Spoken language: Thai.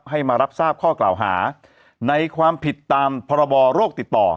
ให้มารับทราบข้อกล่าวหาในความผิดตามพรบโรคติดต่อ